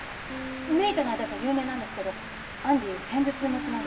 メイトの間じゃ有名なんですけどアンディ片頭痛持ちなんです